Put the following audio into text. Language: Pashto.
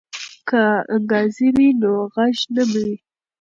که انګازې وي نو غږ نه مري.